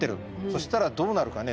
そしたらどうなるかね？